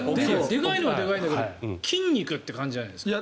でかいのはでかいけど筋肉という感じじゃないですか。